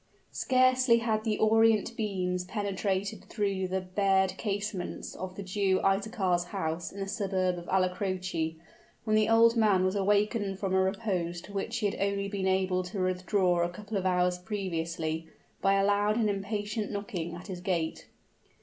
Scarcely had the orient beams penetrated through the barred casements of the Jew Isaachar's house in the suburb of Alla Croce, when the old man was awakened from a repose to which he had only been able to withdraw a couple of hours previously, by a loud and impatient knocking at his gate.